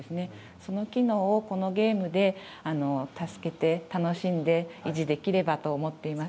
その機能をこのゲームで助けて維持できればと思っています。